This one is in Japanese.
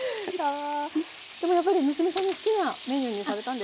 でもやっぱり娘さんの好きなメニューにされたんですか？